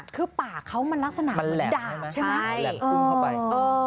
คือปากเขามันนักสนามเหมือนดาบใช่ไหม